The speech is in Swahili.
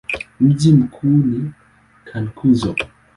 Mji mkuu ni Cankuzo.